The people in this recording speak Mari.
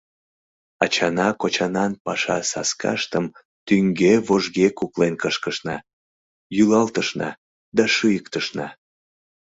Ачана-кочанан паша саскаштым тӱҥге-вожге куклен кышкышна, йӱлалтышна да шӱйыктышна.